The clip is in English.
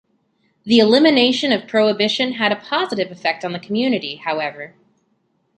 The elimination of prohibition has had a positive effect on the community, however.